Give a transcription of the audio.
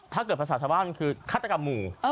ถ้าเกิดภาษาสาว่างคือฆาตกรรมหมู่